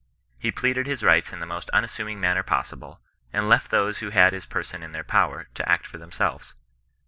He pleaded his rights in the most unas suming manner possible, and left those who had his Eerson in their power, to act for themselves.